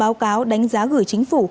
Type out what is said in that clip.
báo cáo đánh giá gửi chính phủ